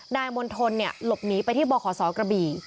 มณฑลหลบหนีไปที่บขศกระบี่